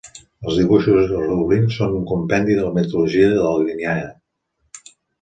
Els dibuixos i els rodolins són un compendi de la mitologia daliniana.